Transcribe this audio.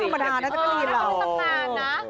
ไม่ธรรมดานะแต่ก็ไม่สำนานนะ